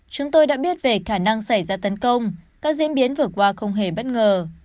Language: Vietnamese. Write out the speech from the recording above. chúng tôi đã biết về khả năng xảy ra tấn công các diễn biến vừa qua không hề bất ngờ